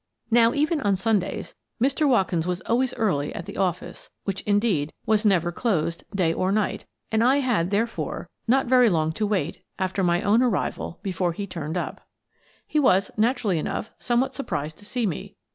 Now, even on Sundays, Mr. Watkins was always early at the office, — which, indeed, was never closed, day or night, — and I had, therefore, not »3 84 Miss Frances Baird, Detective very long to wait, after my own arrival, before he turned up. He was, naturally enough, somewhat surprised to see me.